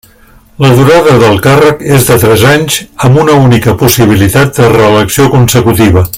La durada del càrrec és de tres anys, amb una única possibilitat de reelecció consecutiva.